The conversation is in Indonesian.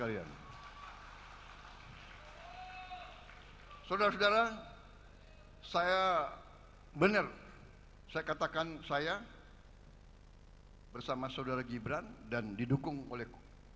hai saudara saudara saya benar saya katakan saya bersama saudara gibran dan didukung oleh